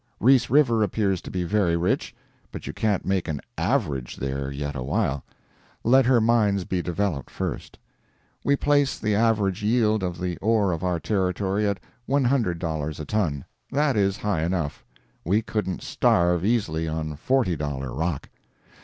Reese River appears to be very rich, but you can't make an "average" there yet awhile; let her mines be developed first. We place the average yield of the ore of our Territory at $100 a ton—that is high enough; we couldn't starve, easily, on forty dollar rock.